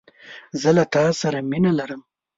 زه له تاسره مینه لرم